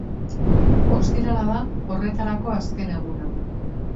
Ostirala da horretarako azken eguna.